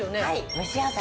蒸し野菜。